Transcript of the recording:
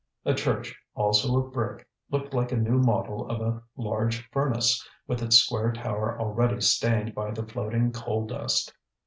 A church, also of brick, looked like a new model of a large furnace, with its square tower already stained by the floating coal dust.